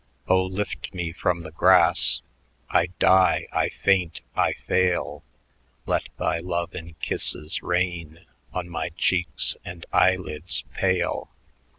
"Oh lift me from the grass! I die, I faint, I fail! Let thy love in kisses rain On my cheeks and eyelids pale.